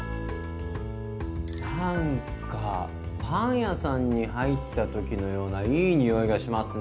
なんかパン屋さんに入った時のようないい匂いがしますね。